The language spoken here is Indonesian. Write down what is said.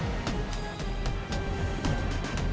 dan waktu kami lacak